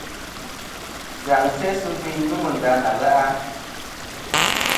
Ngaŋ sesɨ biyn nômɨ nda na le'a.